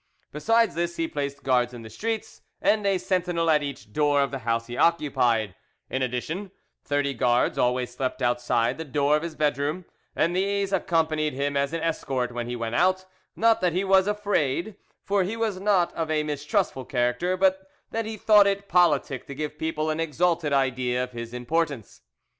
Besides this, he placed guards in the streets, and a sentinel at each door of the house he occupied; in addition, thirty guards always slept outside the door of his bedroom, and these accompanied him as an escort when he went out; not that he was afraid, for he was not of a mistrustful character, but that he thought it politic to give people an exalted idea of his importance.